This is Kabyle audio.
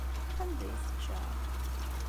Anda ay tečča?